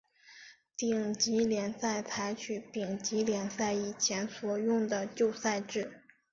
丁级联赛采取丙级联赛以前所用的旧赛制。